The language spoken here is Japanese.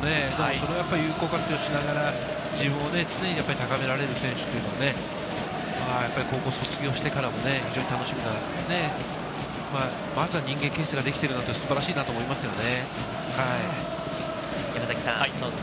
それを有効活用しながら自分を高められる選手というのはね、高校を卒業してからも非常に楽しみなね、まずは人間形成ができているので素晴らしいと思いますね。